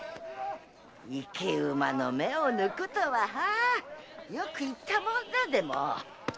「生き馬の目を抜く」とははあよく言ったもんだで！